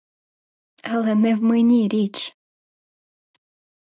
Але не в мені річ.